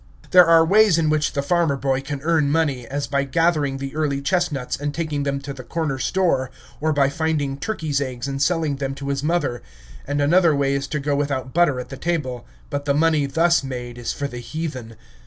There are ways in which the farmer boy can earn money, as by gathering the early chestnuts and taking them to the corner store, or by finding turkeys' eggs and selling them to his mother; and another way is to go without butter at the table but the money thus made is for the heathen.